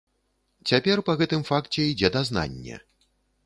Цяпер па гэтым факце ідзе дазнанне.